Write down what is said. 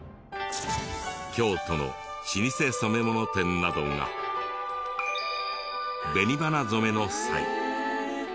京都の老舗染物店などが紅花染の際